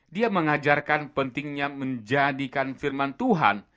dia mengajarkan pentingnya menjadikan firman tuhan